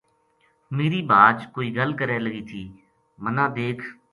میری بھاج کوئی گل کرے لگی تھی مَنا دیکھ